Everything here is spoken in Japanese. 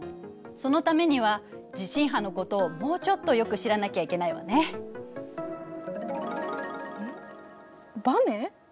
そのためには地震波のことをもうちょっとよく知らなきゃいけないわね。ばね？